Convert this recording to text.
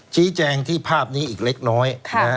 ชี้แจงที่ภาพนี้อีกเล็กน้อย